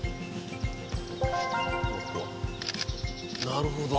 なるほど。